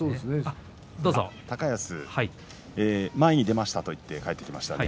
高安は前に出ましたと言って帰ってきました。